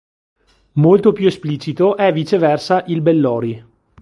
Molto più esplicito è viceversa il Bellori.